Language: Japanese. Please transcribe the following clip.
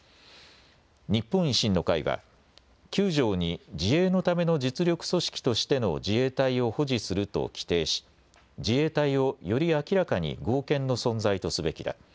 日本維新の会は９条に自衛のための実力組織としての自衛隊を保持すると規定し自衛隊をより明らかに合憲の存在とすべきだ。